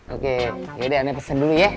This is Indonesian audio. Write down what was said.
oke yaudah deh ane pesen dulu ya